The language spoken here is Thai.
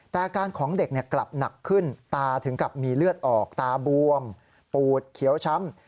แต่อาการของเด็กกลับหนักขึ้นตาถึงกับมีเลือดออกตาบวมปูดเขียวช้ำ